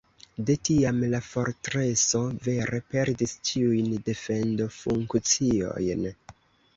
De tiam la fortreso vere perdis ĉiujn defendofunkciojn.